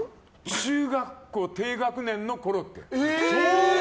中学校低学年のコロッケ。